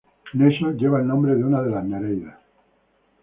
Neso lleva el nombre de una de las Nereidas.